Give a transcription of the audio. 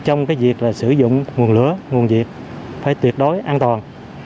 trong việc sử dụng nguồn lửa nguồn nhiệt phải tuyệt đối an toàn